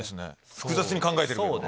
複雑に考えてるけど。